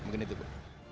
mungkin itu bu